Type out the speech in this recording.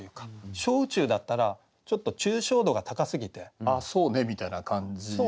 「小宇宙」だったらちょっと抽象度が高すぎて「ああそうね」みたいな感じになっちゃう。